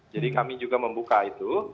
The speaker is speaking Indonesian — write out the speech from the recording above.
jadi kami juga membuka itu